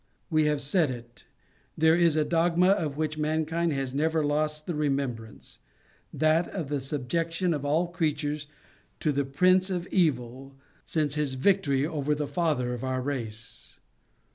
We have said it; there is a dosfma of which mankind has never O lost the remembrance; that of the subjection of all creatures to the prince of evil sinc*e his victory over the father of our race.